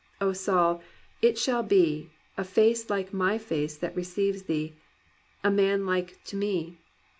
O Saul, it shall be, A Face like my face that receives thee; a man like to me.